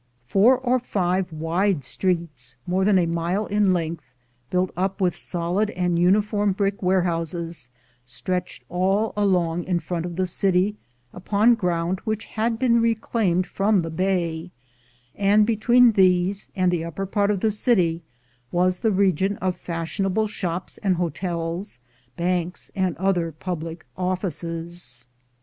Four or five wide streets, more than a mile in length, built up with solid and uniform brick warehouses, stretched all along in front of the city, upon ground which had been reclaimed from the bay; and between these and the upper part of the city was the region of fashionable shops and hotels, banks and other public offices.